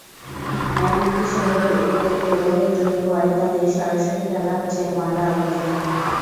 এমনকি শহরের ওপর দিয়ে প্রবাহিত খোয়াই নদে সরাসরি ফেলা হচ্ছে ময়লা-আবর্জনা।